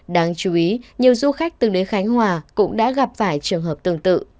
đáng chú ý nhiều du khách từng đến khánh hòa cũng đã gặp phải trường hợp tương tự